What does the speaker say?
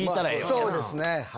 そうですね。